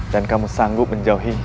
dan kamu sanggup menjauhi